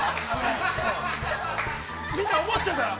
みんな思っちゃうから。